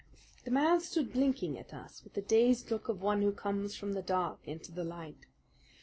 The man stood blinking at us with the dazed look of one who comes from the dark into the light.